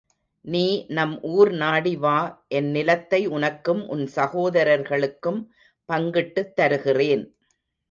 நீ நம் ஊர் நாடி வா என் நிலத்தை உனக்கும் உன் சகோதரர்களுக்கும் பங்கிட்டுத் தருகிறேன்.